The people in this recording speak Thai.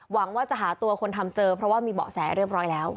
หวังว่าจะหาตัวคนทำเจอเพราะว่ามีเบาะแสเรียบร้อยแล้ว